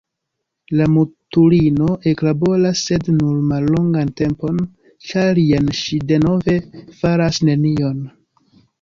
La mutulino eklaboras, sed nur mallongan tempon, ĉar jen ŝi denove faras nenion.